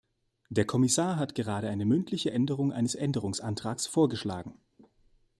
Der Kommissar hat gerade eine mündliche Änderung eines Änderungsantrags vorgeschlagen.